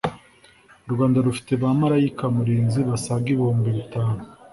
u Rwanda rufite ba Malayika Murinzi basaga ibihumbi bitatu